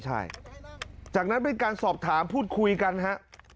ใช่จากนั้นเป็นการสอบถามพูดคุยกันฮะ